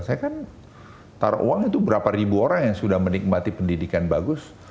saya kan taruh uang itu berapa ribu orang yang sudah menikmati pendidikan bagus